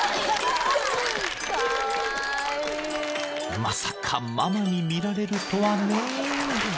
［まさかママに見られるとはね］